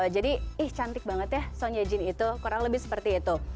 jadi ih cantik banget ya son ye jin itu kurang lebih seperti itu